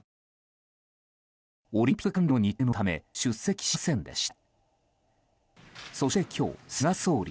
オリンピック関連の日程のため出席しませんでした。